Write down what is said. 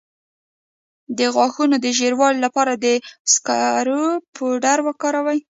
د غاښونو د ژیړوالي لپاره د سکرو پوډر وکاروئ